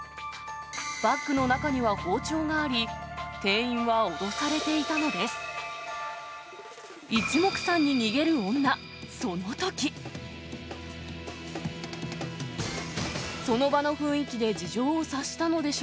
バッグの中には包丁があり、店員は脅されていたのです。